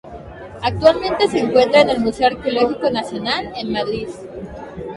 Actualmente se encuentra en el Museo Arqueológico Nacional, en Madrid.